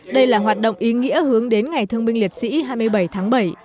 đây là hoạt động ý nghĩa hướng đến ngày thương binh liệt sĩ hai mươi bảy tháng bảy